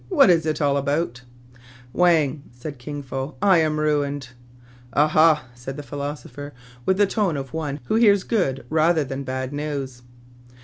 What is it all about ?^ "Wang," said Kin Fo, "I am ruined." " Ah, ah !'* said the philosopher, with the tone of one who hears good rather than bad news.